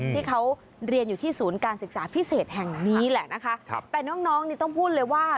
ที่เขาเรียนอยู่ที่ศูนย์การศึกษาพิเศษแห่งนี้แหละนะคะครับแต่น้องน้องนี่ต้องพูดเลยว่า